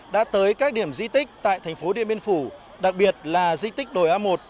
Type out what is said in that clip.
đã tới các điểm di tích tại thành phố điện biên phủ đặc biệt là di tích đồi a một